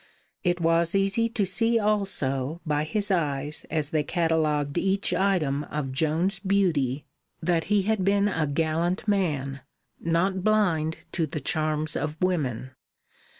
It was easy to see also, by his eyes as they catalogued each item of Joan's beauty, that he had been a gallant man, not blind to the charms of women.